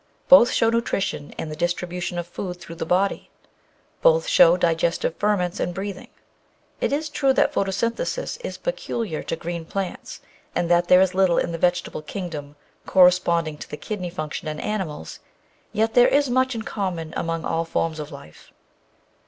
Both show nutrition and the distribu tion of the food through the body; both show digestive ferments and breathing. It is true that photosynthesis is peculiar to green plants, and that there is little in the vegetable kingdom corre sponding to the kidney function in animals; yet there is much in common among all forms of life.